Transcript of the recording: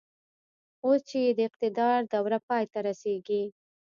اوس چې يې د اقتدار دوره پای ته رسېږي.